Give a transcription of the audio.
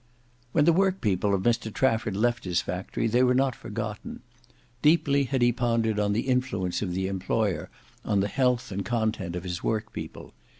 When the workpeople of Mr Trafford left his factory they were not forgotten. Deeply had he pondered on the influence of the employer on the health and content of his workpeople.